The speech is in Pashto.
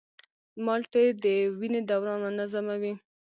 مالټې د وینې دوران منظموي.